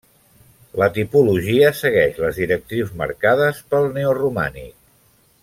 La tipologia segueix les directrius marcades pel neoromànic.